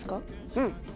うん。